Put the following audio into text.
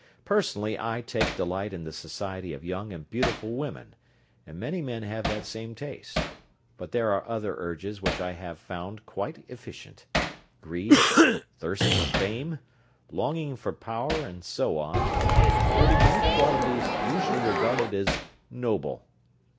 Personally, I take delight in the society of young and beautiful women, and many men have that same taste; but there are other urges which I have found quite efficient. Greed, thirst for fame, longing for power, and so on, including many qualities usually regarded as 'noble.'